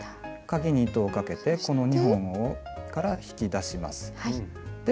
かぎに糸をかけてこの２本から引き出します。